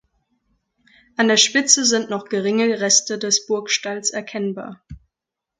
An der Spitze sind noch geringe Reste des Burgstalls erkennbar.